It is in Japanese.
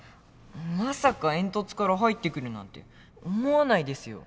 まさか煙突から入ってくるなんて思わないですよ。